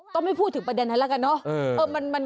ก็ไม่พูดถึงประเด็นนั้นแล้วกันเนอะ